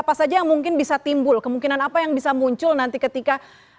apa saja yang mungkin bisa timbul kemungkinan apa yang bisa muncul nanti ketika